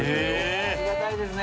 ありがたいですね。